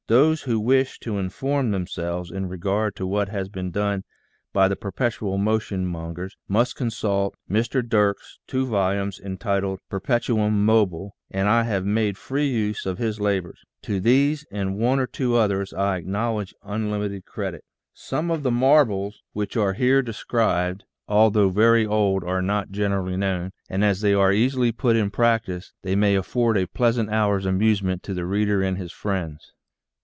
Those who wish to inform themselves in regard to what has been done by the perpetual motion mongers must consult Mr. Dirck's two volumes entitled "Perpetuum PREFACE V Mobile " and I have made free use of his labors. To these and one or two others I acknowledge unlimited credit. Some of the marvels which are here described, although very old, are not generally known, and as they are easily put in practice they may afford a pleasant hour's amusement to the reader and his friends.